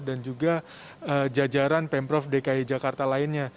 dan juga jajaran pemprov dki jakarta lainnya